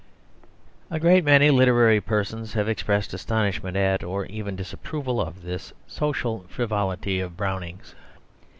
A great many literary persons have expressed astonishment at, or even disapproval of, this social frivolity of Browning's.